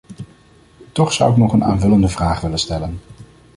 Toch zou ik nog een aanvullende vraag willen stellen.